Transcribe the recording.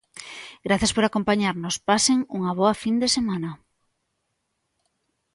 Grazas por acompañarnos, pasen unha boa fin de semana.